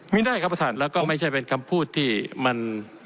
ไม่ได้ครับประธานแล้วก็ไม่ใช่เป็นคำพูดที่มัน